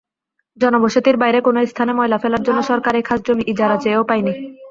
জনবসতির বাইরে কোনো স্থানে ময়লা ফেলার জন্য সরকারি খাসজমি ইজারা চেয়েও পাইনি।